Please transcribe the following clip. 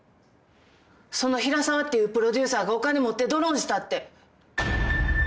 その平沢っていうプロデューサーがお金持ってドロンしたって。